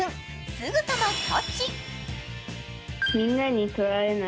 すぐさまキャッチ。